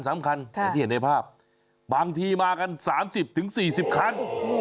อย่างที่เห็นในภาพบางทีมากัน๓๐๔๐คัน